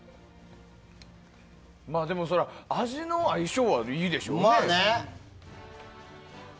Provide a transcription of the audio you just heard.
でも味の相性はいいでしょうね。